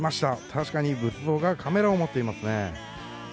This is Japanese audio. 確かに仏像がカメラを持っていますね。